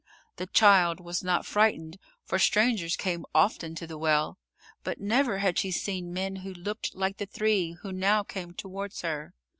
The child, was not frightened, for strangers came often to the well, but never had she seen men who looked like the three who now came towards her.